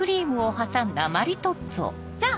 じゃあ。